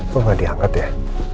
semua diangkat ya